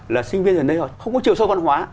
là sinh viên ở đây họ không có chiều sâu văn hóa